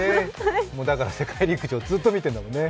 だから世界陸上、ずっと見てるのね。